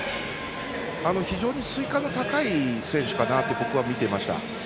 非常に水感の高い選手かなと僕は見ていました。